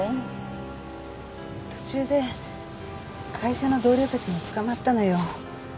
途中で会社の同僚たちにつかまったのよ。